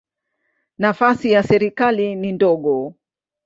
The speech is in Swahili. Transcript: Nafasi ya serikali ni ndogo.